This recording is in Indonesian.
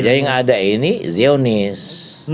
jadi yang ada ini zionis